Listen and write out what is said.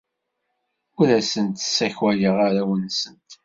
Ur asent-d-ssakayeɣ arraw-nsent.